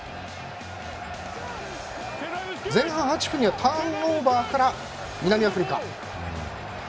前半８分にはターンオーバーから南アフリカ。